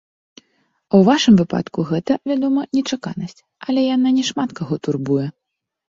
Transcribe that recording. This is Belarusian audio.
А ў вашым выпадку гэта, вядома, нечаканасць, але яна не шмат каго турбуе.